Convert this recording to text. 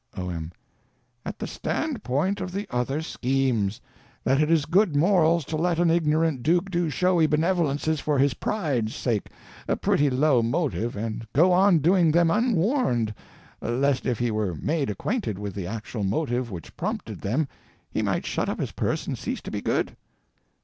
O.M. At the standpoint of the other schemes: That it is good morals to let an ignorant duke do showy benevolences for his pride's sake, a pretty low motive, and go on doing them unwarned, lest if he were made acquainted with the actual motive which prompted them he might shut up his purse and cease to be good?